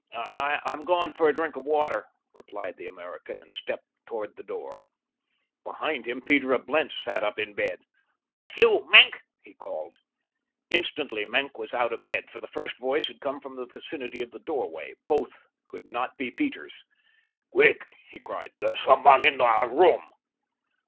"I'm going for a drink of water," replied the American, and stepped toward the door. Behind him Peter of Blentz sat up in bed. "That you, Maenck?" he called. Instantly Maenck was out of bed, for the first voice had come from the vicinity of the doorway; both could not be Peter's. "Quick!" he cried; "there's someone in our room."